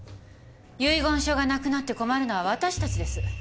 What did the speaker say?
遺言書がなくなって困るのは私たちです。